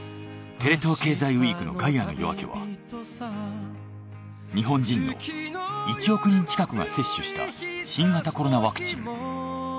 テレ東経済ＷＥＥＫの『ガイアの夜明け』は日本人の１億人近くが接種した新型コロナワクチン。